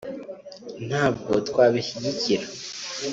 ntabwo twabishyigikira